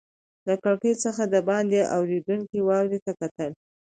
له کړکۍ څخه دباندې ورېدونکې واورې ته کتل.